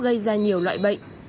gây ra nhiều loại bệnh